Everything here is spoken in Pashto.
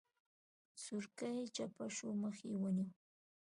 سورکی چپه شو مخ يې ونيو.